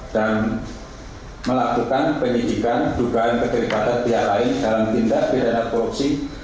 dan melakukan penyidikan dugaan kekeribatan pihak lain dalam tindak pidana korupsi